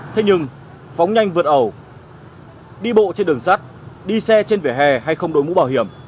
thế nhưng phóng nhanh vượt ẩu đi bộ trên đường sắt đi xe trên vỉa hè hay không đổi mũ bảo hiểm